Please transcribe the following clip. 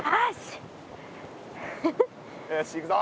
よしいくぞ！